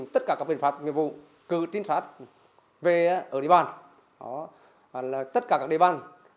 tất cả các biện phạt nhiệm vụ cử trinh phạt về ở địa bàn tất cả các địa bàn